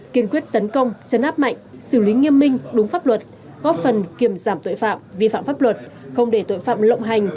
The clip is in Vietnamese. kiên quyết tấn công chấn áp mạnh xử lý nghiêm minh đúng pháp luật góp phần kiềm giảm tội phạm vi phạm pháp luật không để tội phạm lộng hành